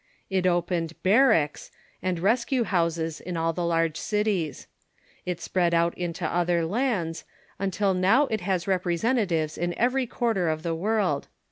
It opened "barracks" and rescue houses in all the large cities. It spread out into other lands, until Progress .,^.. o ■, now It has representatives in every quarter or tlie world.